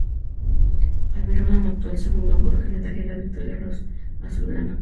Almirón anotó el segundo gol que le daría la victoria a los azulgrana.